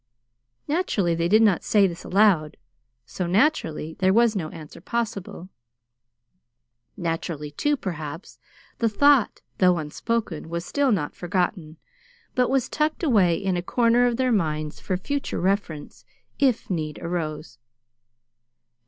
Naturally they did not say this aloud; so, naturally, there was no answer possible. Naturally, too, perhaps, the thought, though unspoken, was still not forgotten, but was tucked away in a corner of their minds for future reference if need arose.